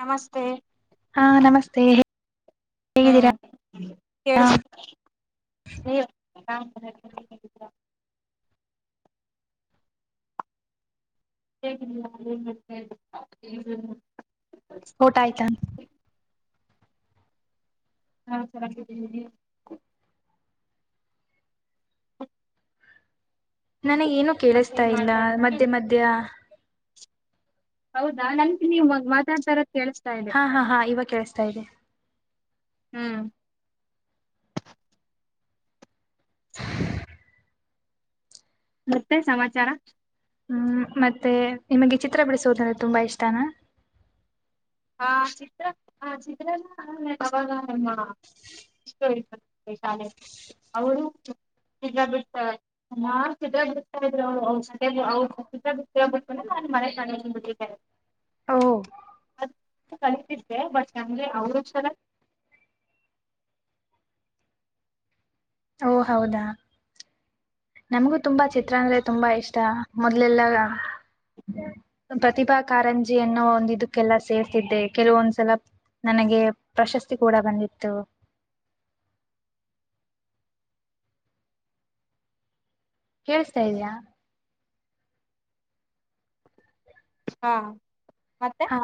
ನಮಸ್ತೆ. ಹಾ ನಮಸ್ತೆ ಹೇಗಿದ್ದೀರಾ ಹ್ಮ್ ಕೇಳುಸ್ತ್ ನೀವ್. ಕಾಣುಸ್ತಾರೆ ನೀವ್ ಹೇಗಿದಿರ. ಹೇಗಿದ್ಯಾ ಏನ್ಮಾಡತ್ತೆ. [unintelligible] ಓಟ ಆಯ್ತಾ. ನಾವ್ ಚೆನಾಗಿದೀವಿ ನೀವು. ಹ್ಮ್. ನನಗೇನು ಕೇಳುಸತಾ ಇಲ್ಲ ಮಾಡ್ತಾ ಇದ್ದೀ ಮಧ್ಯ ಮಧ್ಯ. ಹೌದಾ ನಂತ್ ನೀವ್ ಮ ಮಾತಾಡ್ತಾ ಇರೋದ್ ಹಾ ಹಾ ಹಾ ಇವಾಗ್ ಕೇಳುಸ್ತಾ ಇದೆ. ಹ್ಮ್ ಮತ್ತೆ ಸಮಾಚಾರ. ಹ್ಮ್ ಮತ್ತೆ ನಿಮಗೆ ಚಿತ್ರ ಬಿಡಿಸೋದಂದ್ರೆ ತುಂಬಾ ಇಷ್ಟನಾ. ಹ ಚಿತ್ರ ಹ ಚಿತ್ರನ ನಾವು ಅವಾಗ ನಮ್ಮ ಇಷ್ಟ ಇತ ಶಾಲೆ ಅವ್ರು. [unintelligible] ಒಹ್. ಕಲ್ತಿದ್ದೆ ಬಟ್ ನಂಗೆ ಅವ್ರು ಚಲ. ಓ ಹೌದಾ ನಮ್ಗೂ ತುಂಬಾ ಚಿತ್ರ ಅಂದ್ರೆ ತುಂಬಾ ಇಷ್ಟ ಮೊದ್ಲೆಲ್ಲ ಪ್ರತಿಭಾ ಕಾರಂಜಿ ಅನ್ನೋ ಒಂದ್ ಇದುಕ್ಕೆಲ್ಲಾ ಸೇರ್ತಿದ್ದೆ ಕೆಲವೊಂದ್ಸಲ ನನಗೆ ಪ್ರಶಸ್ತಿ ಕೂಡ ಬಂದಿತ್ತು. ಕೇಳುಸ್ತ ಇದ್ಯಾ. ಹಾ ಮತ್ತೆ ಹಾ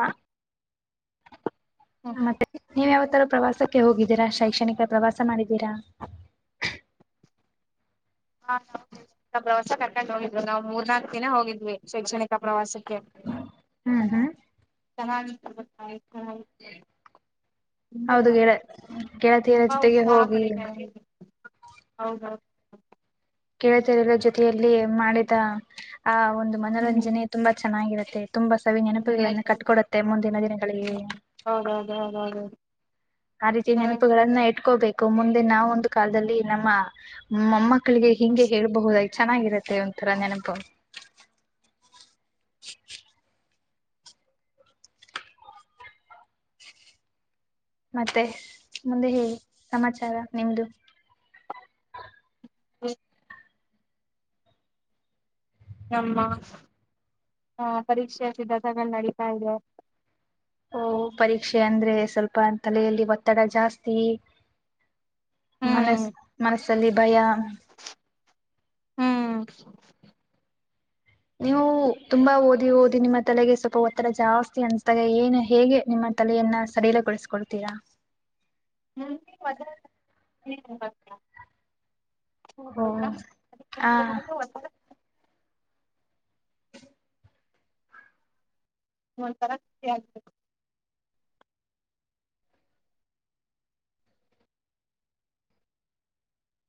ನ ಮತ್ತೆ. ನೀವ್ ಯಾವತ್ತಾರೂ ಪ್ರವಾಸಕ್ಕೆ ಹೋಗಿದ್ದೀರಾ ಶೈಕ್ಷಣಿಕ ಪ್ರವಾಸ ಮಾಡಿದ್ದೀರಾ. ಹಾ ನಾವು ಶೈಕ್ಶಣಿಕ ಪ್ರವಾಸ ಕರ್ಕೊಂಡ್ ಹೋಗಿದ್ರು ನಾವ್ ಮೂರ್ನಾಕ್ ದಿನ ಹೋಗಿದ್ವಿ ಶೈಕ್ಷಣಿಕ ಪ್ರವಾಸಕ್ಕೆ. ಹ್ಮ್ ಹ್ಮ್. ಚೆನ್ನಾಗ್. [unintelligible] ತುಂಬಾ ಹೌದು ಚ ಗೆಳ ಗೆಳತಿಯರ ತುಂಬಾ ಜೊತೆಗೆ ಉತ್ಸಾಹ ಹೋಗಿ ಪಡಿ [unintelligible] ಹೌದೌದು. ಕೆಳತಿಯರ ಜೊತೆಯಲ್ಲಿ ಮಾಡಿದ ಆ ಒಂದು ಹ್ಮ್ ಮನೊರಂಜನೆ ತುಂಬ ಚ ಚೆನ್ನಾಗಿರುತ್ತೆ. ತುಂಬಾ ಸವಿ ತುಂಬಾ ನೆನಪುಗಳನ್ನ ಚೆನ್ನಾಗಿ ಕಟ್ಕೊಡುತ್ತೆ ಮುಂದಿನ ದಿನಗಳಿಗೆ. ಹೌದೌದು ಹೌದೌದು ಆ ರೀತಿ ನೆನಪುಗಳನ್ನ ಇಟ್ಕೋಬೇಕ್ ಕು ಮುಂದೆ ನಾವ್ ಒಂದು ಕಾಲ್ದಲ್ಲಿ ನಮ್ಮ ಮೊಮ್ಮಕ್ ಮಕ್ಳಿಗೆ ಹಿಂಗೆ ಹೇಳ್ಬಹುದಾಯ್ ಚೆನ್ನಾಗಿರುತ್ತೆ ಒಂಥರ ನೆನಪು. [unintelligible] ಮತ್ತೆ ಮುಂದೆ ಹೇಳಿ ಸಮಾಚಾರ ನಿಮ್ದು. ಹುಯ್. ನಮ್ಮ ಹ ಪರೀಕ್ಷೆಯ ಸಿದ್ಧತೆಗಳ್ ನೆಡಿತ್ತ ಇದೆ. ಓ ಪರೀಕ್ಷೆ ಅಂದ್ರೆ ಸ್ವಲ್ಪ ತಲೆಯಲ್ಲಿ ಒತ್ತಡ ಜಾಸ್ತಿ. ಹ್ಮ್ ಮನಸ್ ಮನಸ್ಸಲ್ಲಿ ಭಯ. ಹ್ಮ್ ನೀವು ತುಂಬಾ ಓದಿ ಓದಿ ನಿಮ್ಮ ತಲೆಗೆ ಸ್ವಲ್ಪ ಒತ್ತಡ ಜಾಸ್ತಿ ಅನ್ಸ್ದಾಗ ಏನು ಹೇಗೆ ನಿಮ್ಮ ತಲೆಯನ್ನ ಸಡಿಲಗೊಳ್ಸ್ಕೊತಿರಾ. [unintelligible] ಓ ಹ [unintelligible] ಒಂತರ ಖುಷಿ ಆಗ್ಬೇಕು.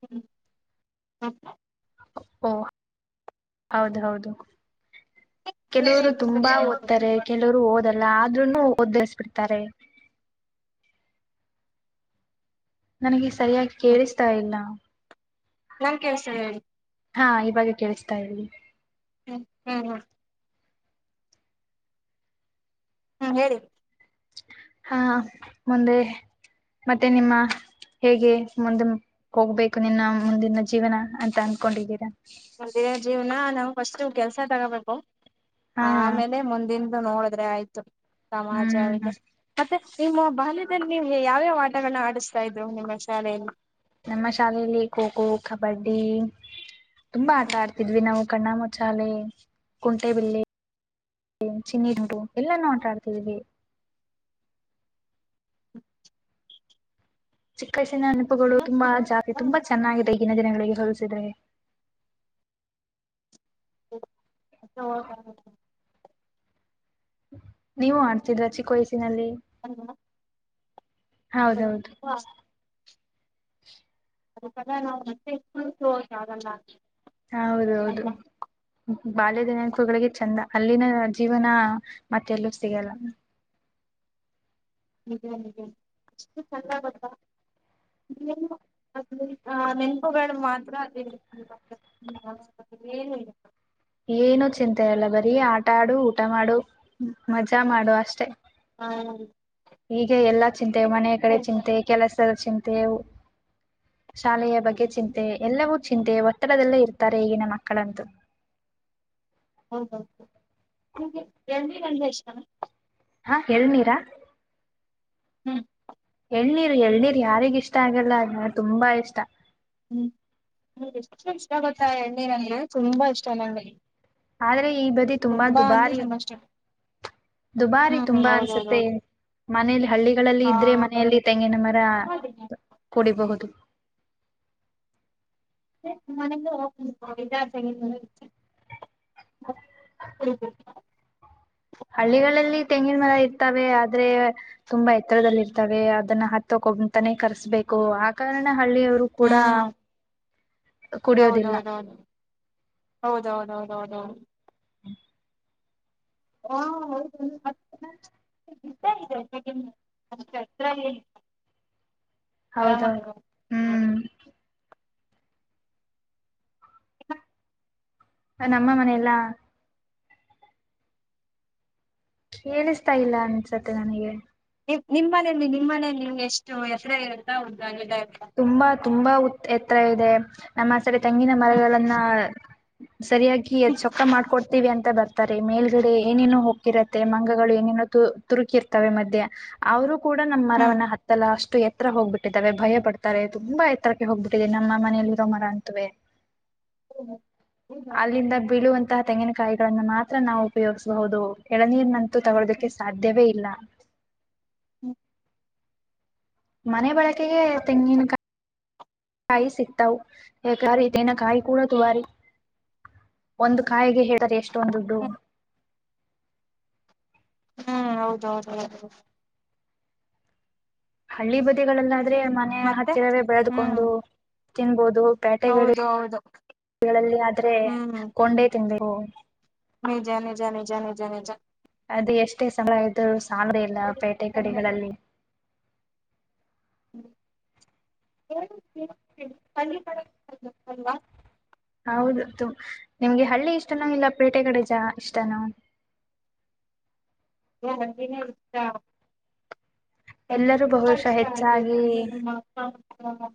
ಹ್ಮ್ ಹ. ಓ ಹೌದ್ ಹೌದು. ಕೆಲ್ವುರು ತುಂಬಾ ಓದ್ತಾರೆ ಕೆಲ್ವುರು ಓದ ಲ್ಲ ಆದ್ರೂನು ಒದ್ದರಿಸ್ಬಿಡ್ತಾರೆ. ನನಿಗೆ ಸೆ. ಸರಿಯಾಗ್ ಕೇಳಿಸ್ತಾ ಇಲ್ಲ. ನನ್ ಕಳ್ಸತೈತೆ ಹೇಳಿ. ಹಾ ಈವಾಗೆ ಕೇಳುಸ್ತ ಇದೆ ಹೇಳಿ. ಹ್ಮ್ ಹ್ಮ್ ಹ್ಮ್. ಹ್ಮ್ ಹೇಳಿ. ಹಾ ಮುಂದೆ ಮತ್ತೆ ನಿಮ್ಮ ಹೇಗೆ ಮುಂದೆ ಕೊಗ್ಬೇಕು ನಿನ್ನ ಮುಂದಿನ ಜೀವನ ಅಂತ ಅನ್ಕೊಂಡಿದ್ದೀರಾ. ಮಂದೆ ಜೀವ್ನ ನಾವು ಫಸ್ಟ್ ಕೆಲ್ಸ ತಗಬೇಕು. ಹಾ ಆಮೇಲೆ ಮುಂದಿನ್ ನೋಡಿದ್ರೆ ಆಯ್ತು. ಹ್ಮ್ ಮತ್ತೆ ನಿಮ್ಮ ಬಾಲ್ಯದಲ್ ನೀವ್ಗೆ ಯಾವ್ಯಾವ ಆಟಗಳನ್ನ ಆಡಿಸ್ತಾ ಇದ್ರು ನಿಮ್ಮ ಶಾಲೆಯಲ್ಲಿ. ಬಡ್ಡಿ. ತುಂಬಾ ಆಟ ಆಡ್ತಿದ್ವಿ ನಾವು. ಕಣ್ಣಾಮುಚಾಲೆ ಕುಂಟೆಬಿಲ್ಲೆ ಚಿನ್ನಿ ಡುಡು ಎಲ್ಲಾನು ಆಟಾಡ್ತಿದೀವಿ. ಚಿಕ್ ವಯ್ಸ್ ಈ ನನ್ಪುಗಳು ತುಂಬಾ ಜಾತಿ ತುಂಬಾ ಚೆನ್ನಾಗಿದೆ. ದಿನ ದಿನಗಳಿಗೆ ಹೊಲ್ಸಿದ್ರೆ. [unintelligible] ನೀವು ಅಂತಿದ್ರ ಚಿಕ್ ವಯ್ಸ್ಸಿನಲ್ಲಿ. ಅಲ್ವಾ. ಹೌದೌದು. [unintelligible] ಅದಕ್ಕೆಲ್ಲ ನಾವು ಮತ್ತೆ ಇದ್ ಹೋಗಕಾಗಲ್ಲ. ಹೌದೌದು ಬಾಲ್ಯ ದಿನಪುಗಳಿಗೆ ಚೆಂದ. ಅಲ್ಲಿನ ಜೀವನ ಮತ್ತೆಲ್ಲು ಸಿಗ್ ತಿಗೆಲ್ಲ. ಅಷ್ಟು ಚಂದ ಗೊತ್ತಾ ನೆನ್ಪುಗಳು ಮಾತ್ರ ಇರುತ್ತೆ. [unintelligible] ಬರಿ ಆಟ ಆಡು ಊಟ ಮಾಡು ಮಜಾ ಮಾಡು ಅಷ್ಟೇ. ಹಾ ಹೀಗೆ ಎಲ್ಲದ್ ಚಿಂತೆ ಮನೆ ಕಡೆ ಚಿಂತೆ ಕೆಲಸದ ಚಿಂ ತೆವ್ ಶಾಲೆಯ ಬಗ್ಗೆ ಚಿಂತೆ ಎಲ್ಲವೂ ಚಿಂತೆ ಒತ್ತಡದಲ್ಲೇ ಇರ್ತಾರೆ ಈಗಿನ ಮಕ್ಕಳಂತೂ. ಹೌದೌ ನಿಮ್ಗೆ ಎಳ್ನೀರು ಅಂದ್ರೆ ಇಷ್ಟಾನ. ಹಾ ಎಳ್ನೀರ. ಹ್ಮ್ ಎಳ್ನೀರು ಎಳ್ನೀರ್ ಯಾರಿಗ್ ಇಷ್ಟ ಆಗಲ್ಲ ಅದ್ ನಂಗ್ ತುಂಬಾ ಇಷ್ಟ. ಹ್ಮ್ ಎಷ್ಟ ಇಷ್ಟ ಗೊತ್ತಾ ಎಳ್ನೀರು ಅಂದ್ರೆ ನಂಗೆ ತುಂಬಾ ಇಷ್ಟ ನನ್ಗೆ. ಆದ್ರೆ ಈ ಬದಿ ತುಂಬಾ ದುಬಾರಿ ತುಂಬಾ ಇಷ್ಟ ದುಬಾರಿ ಹ್ಮ್ ತುಂಬಾ ಅನ್ಸುತ್ತೆ ಹೌದೌದೌದು ಮನೇಲಿ ಹಳ್ಳಿಗಳಲ್ಲಿ ಹಾ ಇದ್ರೆ ಮನೆಯಲ್ಲಿ ತೆಂಗಿನ ಮರ ಮನೆಗೆ ಕುಡಿಬಹುದು. ತ್ತೆ ನಿಮ್ ಮನೆಯಿಂದ [unintelligible] ತೆಂಗಿನ [unintelligible] ಕುಡಿಬೋದು. ಹಳ್ಳಿಗಳಲ್ಲಿ ತೆಂಗಿನ ಮರ ಇರ್ತವೆ ಆದ್ರೆ ತುಂಬಾ ಎತ್ತರದಲ್ಲಿ ಇರ್ತವೆ ಅದನ್ನ ಹತ್ತೊಕೊಂಗ್ತನ ಕರ್ಸ್ಬೇಕು ಆ ಕಾರಣ ಹಳ್ಳಿ ಅವ್ರು ಕೂಡ. ಹ್ಮ್ ಕುಡಿಯೋದಿಲ್ಲ ಹೌದೌದೌದು ಹೌದೌದೌದೌದೌದು. [unintelligible] ಹೌದು ಆರಾಮಾಗ ಹ್ಮ್. ಅ ನಮ್ಮ ಮನೆಯಲ್ಲ. ಕೇಳಿಸ್ತಾ ಇಲ್ಲ ಅನ್ಸತ್ತೆ ನನ್ಗೆ. ನಿಮ್ ನಿಮ್ಮನೇಲಿ ನಿಮ್ಮ ಮನೇಲಿ ನಿಮ್ ಎಷ್ಟು ಎಕ್ರೆ ಇರುತ್ತಾ ಉದಾ ಇದೆ. ತುಂಬಾ ತುಂಬಾ ಉತ್ ಎತ್ರ ಇದೆ ನಮ್ಮ ಸರಿ ತೆಂಗಿನ ಮರಗಳನ್ನ. ಸರಿಯಾಗಿ ಎ ಚೊಕ್ಕ ಮಾಡ್ಕೊಡ್ತೀವಿ ಅಂತ ಬರ್ತಾರೆ ಮೇಲ್ಗಡೆ ಏನೇನು ಹೋಗ್ತಿರತ್ ತ್ತೆ ಮಂಗಗಳು ಏನೇನೋ ತುರುಕಿರ್ತವೆ ಮಧ್ಯೆ ಅವ್ರು ಕೂಡ ನಮ್ಮ್ ಮರವನ್ನ ಹತ್ತಲ್ಲ ಅಷ್ಟು ಎತ್ತತ್ರ ಹೋಗ್ಬಿಟ್ಟಿದಾವೆ ಭಯ ಪಡುತ್ ರೆ ತುಂಬಾ ಎತ್ತರಕ್ಕೆ ಹೋಗ್ಬಿಟ್ಟಿದೆ ನಮ್ಮ ಮನೆಯಲ್ಲಿ ಇರೋ ಮರ ಅಂತುವೆ. ಅಲ್ಲಿಂದ ಬಿಳುವಂ ಇಂತಹ ತೆಂಗಿನಕಾಯಿಗಳನ್ನು ಮಾತ್ರ ನಾವು ಉಪಯೋಗಿಸಬೊದು ಎಳನೀರ್ ನಂತ್. ತು ತಗೊಳ್ಳದಕ್ಕೆ ಸಾಧ್ಯವೇ ಇಲ್ಲ. [unintelligible] ಹ್ಮ ಮನೆ ಬಳಕೆಗೆ ತೆಂಗಿನಕಾಯಿ ಸಿಕ್ತವ್ ತರ್ಕಾರಿ ತೆಂಗಿನ ಕಾಯಿ ಕೂಡ ದುಬಾರಿ ಒಂದು ಕಾಯ್ಗೆ. ಹೇಳ್ತರೆ ಎಷ್ಟೊಂದ್ ದುಡ್ಡು. ಹ್ಮ್ ಹ್ಮ್ ಹೌದೌದು ಹೌದು. ಹಳ್ಳಿ ಬದಿಗಳೆಲ್ಲ. ಅಂದ್ರೆ ಮನೆ ಮತ್ತೆ ಹತ್ತಿರವೇ ಹ್ಮ್ ಬೆಳೆದ್ಕೊಂಡು. ತಿನ್ಬೋದು. ಪ್ಯಾಟೆಗಡೆ ಹೌದು ಹೌದು ಗಳಲ್ಲಿ ಆದ್ರೆ ಕೊಂಡೆ ತಿನ್ನಬೇಕು. ನಿಜಾ ನಿಜಾ ನಿಜಾ ನಿಜಾ ನಿಜಾ. ಅದು ಎಷ್ಟೇ ಸಮಳ ಇದು ಸಲ್ರಿ ಇಲ್ಲ ಪೇಟೆ ಕಡೆಗಳಲ್ಲಿ [unintelligible] ಹೌದುು ನಿಮ್ಗೆ ಹಳ್ಳಿ ಇಷ್ಟನೋ ಇಲ್ಲ ಪೇಟೆ ಕಡೆ ಇಷ್ಟನೋ [unintelligible] ನನಗೆ ಎಲ್ಲರೂ ತುಂಬ ಬಹುಶಃ ಇಷ್ಟ ಹೆಚ್ಚಾಗಿ ನಿಮ್ಮ ಅಪ್ಪ ಹ್ಮ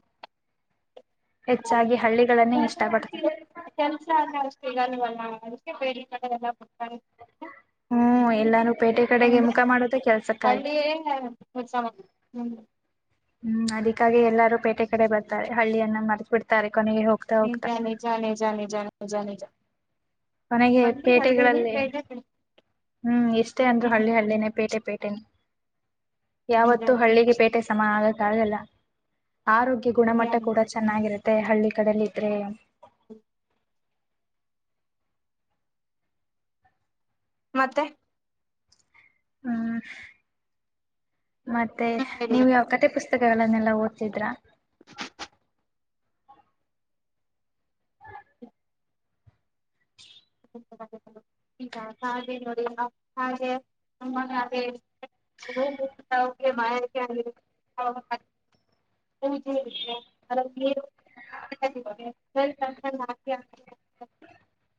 ಹೆಚ್ಚಾಗಿ ಹಳ್ಳಿಗಳನ್ನೇ ಇಷ್ಟಪಡ್ತದೆ ಹಾ ಅದಕ್ಕೆ ಬಲ್ಲತಾರೆ ಹ್ಮ್ ಎಲ್ಲಾನು ಪೇಟೆ ಕಡೆಗೆ ಮುಖ ಮಾಡದ ಕೆಲ್ಸಕ್ಕಾಗಿ ಹಳ್ಳಿಯೇ ಉತ್ತಮ ಹ್ಮ್ ಹ್ಮ್ ಅದಕ್ಕಾಗಿ ಎಲ್ಲರೂ ಪೇಟೆ ಕಡೆ ಬರ್ತಾರೆ ಹಳ್ಳಿಯನ್ನ ಮರ್ತ್ ಬಿಿಡ್ತಾರೆ ನಿ ಜಿ ಜಾನೆ ಜಿ ಜೆ ಜಾ ನಿಜಾ ಕೊನೆಗೆ ಪೇಟೆಗಳಲ್ಲಿ ಪೇಟೆ ಹ್ಮ್ ಎಷ್ಟೇ ಅಂದ್ರು ಹಳ್ಳಿ ಹಳ್ಳಿನೇ ಪೇಟೆ ಪೇಟೆನೆ ಯಾವತ್ತೂ ಹಳ್ಳಿಗೆ ಪೇಟೆ ಸಮಾನ ಆಗಕ್ಕಾಗಲ್ಲ ಆರೋಗ್ಯ ಗುಣಮಟ್ಟ ಕೂಡ ಚೆನ್ನಾಗಿರುತ್ತೆ ಮತ್ತೆ ಹಳ್ಳಿ ಕಡಲ್ಲ ಇದ್ರೆ ಹ ಮತ್ತೆ ಹ್ಮ ಮತ್ತೆ ನೀವು ಯಾವ ಕತೆ ಪುಸ್ತಕಗಳನ್ನೆಲ್ಲ ನಾವು ಓದ್ತಿದ್ರಾ [inaudible] ಹ [inaudible] ಹಾಗ ನೋಡಿ ಹಾಗಮ್ಮ ಹಾಗ ವಲ್ಾ [inaudible]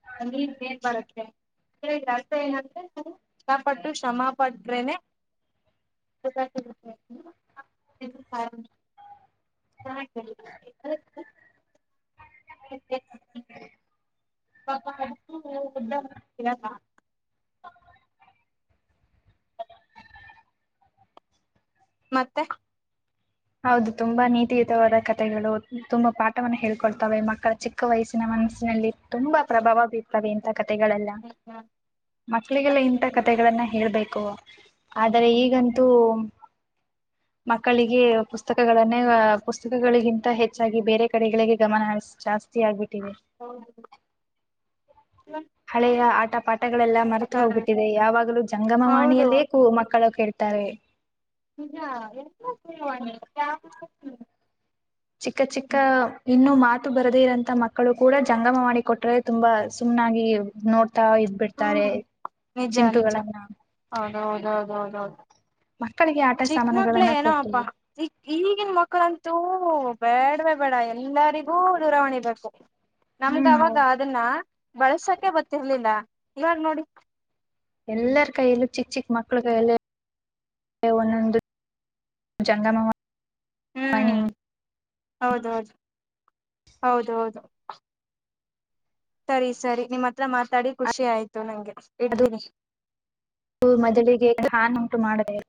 [inaudible] [unintelligible] ಮತ್ತೆ ಹೌದು ತುಂಬಾ ನೀತಿಯುತವಾದ ಕಥೆಗಳು ತುಂಬಾ ಪಾಠವನ್ನ ಹೇಳ್ಕೊಳ್ತವೆ ಮಕ್ಕಳ ಚಿಕ್ಕ ವಯಸ್ಸಿನ ಮನಸ್ಸಿನಲ್ಲಿ ತುಂಬಾ ಪ್ರಭಾವ ಬೀರ್ತವೆ ಅಂತ ಕತೆಗಳೆಲ್ಲ ಮಕ್ಳಿಗೆಲ್ಲ ಇಂತ ಕತೆಗಳನ್ನ ಹೇಳ್ಬೇಕು ಆದರೆ ಈಗಂತೂ ಮಕ್ಕಳಿಗೆ ಪುಸ್ತಕಗಳನ್ನೇ ಪುಸ್ತಕಗಳಿಗಿಂತ ಹೆಚ್ಚಾಗಿ ಬೇರೆ ಕಡೆಗಳಿಗೆ ಗಮನ ಹ ಜಾಸ್ತಿ ಆಗ್ಬಿಟ್ಟಿವಿದೆ ಹೌ ಹ ಹಳೆಯ ಆಟ ಪಾಠ ಮಟಗಳೆಲ್ಲಾ ಮರೆತು ಹೋಗುತ್ತಿದೆ ಯಾವಾಗಲೂ ಹೌದು ಜಂಗಮವಾಣಿಯಲ್ಲೇ ಕೂ ಮಕ್ಕಳ ಕ ತ್ತಾರೆ ಹಾ ಎ ಚಿಕ್ಕ ಚಿಕ್ಕ ಇನ್ನುೂ ಮಾತ್ರ ಬರದೇ ಇರಂತ ಮಕ್ಕಳು ಕೂಡ ಜಂಗಮ ಮಾಡಿ ಕೊಟ್ರೆ ತುಂಬಾ ಸುಮ್ನಾಗಿ ನೋಡ್ ಹ್ಮ್ ನಿಜ ನಿಜ ಚಿಂಟುಗಳನ್ನ ಹೌದೌದೌದೌದು ಹೌ ಮಕ್ಕಳಿಗೆ ಆಟ ಚಿಕ್ಕ ಮಕ್ಳ ಸಾಮಾನುಗಳನ್ನ ಏನ ಹಬ್ಬಾ ಕೊಡ್ತೀವಿ ಈಗಿನ ಮಕ್ಳಂತೂ ಹ ಬೇಡ ಬೇಡ್ವೆ ಬೇಡ ಎಲ್ಲರಿಗೂ ದೂರವಾಣಿ ಬೇಕು ನಮ್ಗ ಹ್ಮ್ ಅವಾಗ ಅದನ್ನ ಬಳಸಕ ಗೊತ್ತಿರ್ಲಿಲ್ಲ ಇವಾಗ ನೋಡಿ ಎಲ್ಲರ ಕೈಯಲ್ಲೂ ಚಿಕ್ಕ ಚಿಕ್ಕ ಮಕ್ಕಳ ಕೈಯಲ್ಲ ಒಂದೊಂದು ಜಂಗಮ ಹ್ಮ್ ಹೌದ ಹೌದು ಹೌದ ಹೌದು ಸರಿ ಸರಿ ನಿಮ್ಮ್ ಹತ್ರ ಮಾತಾಡಿ ಖುಷಿ ಆಯ್ತು ನಂಗೆ ಅದು ಇಡ್ತೀನಿ. ಮೊದಲಿಗೆ ಉಂಟು ಮಾಡ ಹ